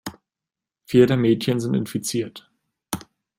Vier der Mädchen sind infiziert.